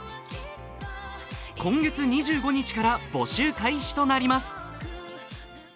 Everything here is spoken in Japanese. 今月２５日から募集開始となります。